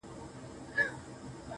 د محبت دار و مدار کي خدايه ,